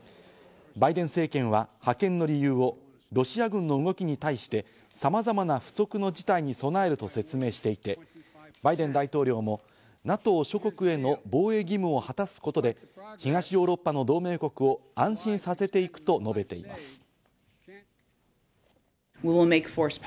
バイデン政権は派遣の理由をロシア軍の動きに対して、さまざまな不測の事態に備えると説明していて、バイデン大統領もＮＡＴＯ諸国への防衛義務を果たすことで東ヨーロッパの同盟国を安心させていくと述べています。